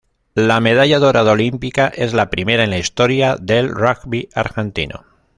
La medalla dorada olímpica es la primera en la historia del rugby argentino.